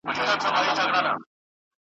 په هوا کشپ روان وو ننداره سوه `